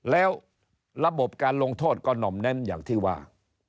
แล้วระบบการลงโทษก็หน่อมแน้มอย่างที่ว่า